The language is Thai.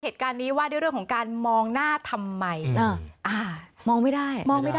เหตุการณ์นี้ว่าด้วยเรื่องของการมองหน้าทำไมอ่าอ่ามองไม่ได้มองไม่ได้